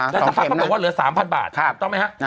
และสภาพบอกว่าเหลือ๓๐๐๐บาทถูกไหมครับ